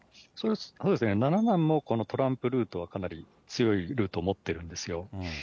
そうですね、七男もトランプルートはかなり強いルートを持ってるんですよ。